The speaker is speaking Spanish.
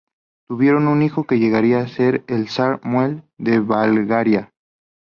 Tuvieron un hijo que llegaría a ser el zar Samuel de Bulgaria.